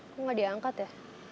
kok gak diangkat ya